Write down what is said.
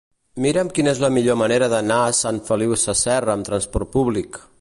Mira'm quina és la millor manera d'anar a Sant Feliu Sasserra amb trasport públic.